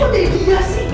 kok dede dia sih